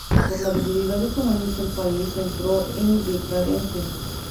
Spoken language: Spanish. Por la debilidad económica, el país entró en decadencia.